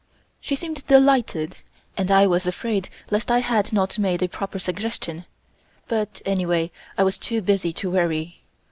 She seemed delighted, and I was afraid lest I had not made a proper suggestion, but anyway I was too busy to worry.